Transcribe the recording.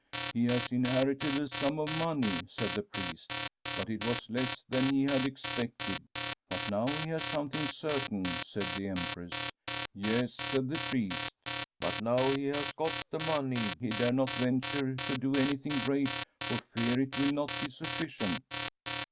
' He has inherited a sum of money,' said the priest ;' but it was less than he had expected.' ' But now he has something certain,' said the Empress. ' Yes,* said the priest ;' but now he has got the money he dare not venture to do anything great for fear it will not be sufficient.'